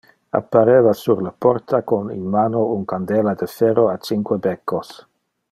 Appareva sur le porta con in mano un candela de ferro a cinque beccos.